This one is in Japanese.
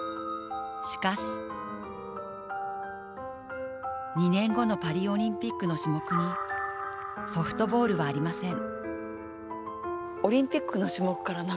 しかし、２年後のパリオリンピックの種目にソフトボールはありません。